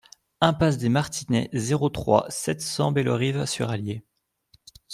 Impasse des Martinets, zéro trois, sept cents Bellerive-sur-Allier